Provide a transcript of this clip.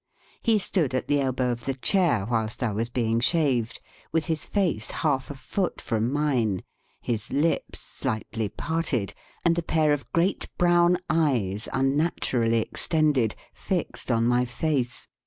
He stood at the elbow of the chair whilst I was being shaved, with his face half a foot from mine, his hps slightly parted, and a pair of great brown eyes unnaturally extended fixed on my face.